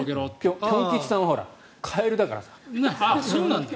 ぴょん吉さんはカエルだから。